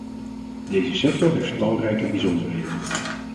Deze sector heeft talrijke bijzonderheden.